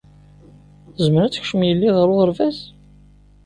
Tezmer ad tekcem yelli ɣer uɣerbaz?